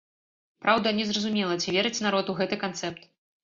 Праўда, незразумела, ці верыць народ у гэты канцэпт?